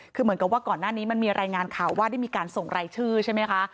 คือเหมือนกับว่าก่อนหน้านี้มันมีรายงานข่าวว่าได้มีการส่งรายชื่อใช่ไหมคะ